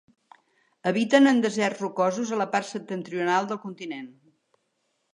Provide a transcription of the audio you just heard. Habiten en deserts rocosos a la part septentrional del continent.